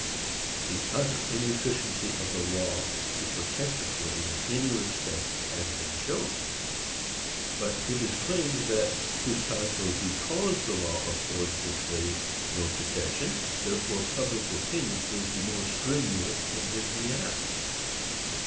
The utter inefficiency of the law to protect the slave in any respect has been shown. But it is claimed that, precisely because the law affords the slave no protection, therefore public opinion is the more strenuous in his behalf.